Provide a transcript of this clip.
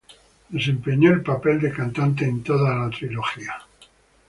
Desempeñó el papel de cantante en toda la trilogía.